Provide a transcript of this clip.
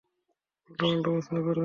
উল্টাপাল্টা প্রশ্ন করবেন না!